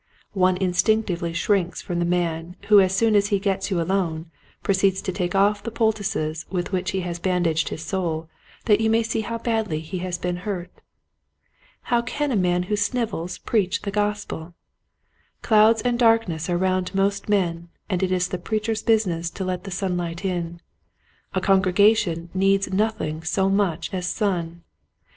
One instinctively shrinks from the man who as soon as he gets you alone proceeds to take off the poultices with which he has bandaged his soul that you may see how badly he has been hurt. How can a man who snivels preach the gospel } Clouds and darkness are round most men and it is the preacher's business to let the sunlight in. A congregation' needs nothing so much as sun.